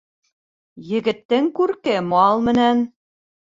Егеттең күрке мал менән.